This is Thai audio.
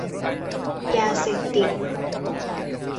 ยาเสพติด